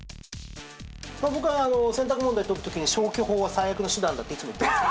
僕は選択問題を解く時に消去法は最悪な手段だっていつも言ってるんです。